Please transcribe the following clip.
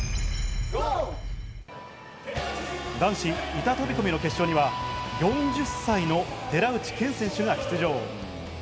男子板飛び込みの決勝には４０歳の寺内健選手が出場。